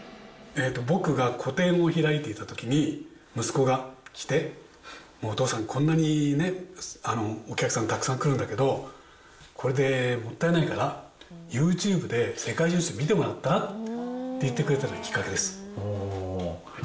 僕が個展を開いていたときに、息子が来て、お父さん、こんなにね、お客さんたくさん来るんだけど、これでもったいないから、ユーチューブで世界中の人に見てもらったら？って言ってくれたのがきっかけです。